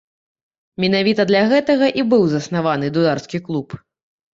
Менавіта для гэтага і быў заснаваны дударскі клуб.